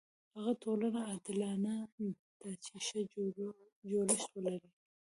هغه ټولنه عادلانه ده چې ښه جوړښت ولري.